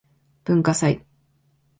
文化祭